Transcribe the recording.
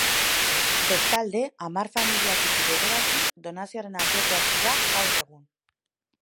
Bestalde, hamar familiatik bederatzi donazioaren aldekoak dira gaur egun.